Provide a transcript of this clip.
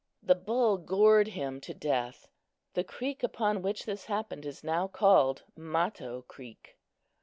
The bull gored him to death. The creek upon which this happened is now called Mato creek.